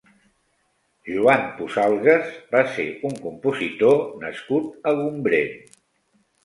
Joan Pusalgues va ser un compositor nascut a Gombrèn.